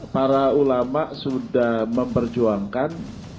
para ulama sudah memperjuangkan